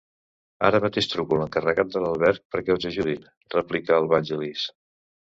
Ara mateix truco l'encarregat de l'alberg perquè us ajudin —replica el Vangelis.